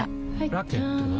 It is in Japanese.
ラケットは？